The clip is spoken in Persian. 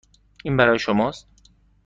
این برای شماست.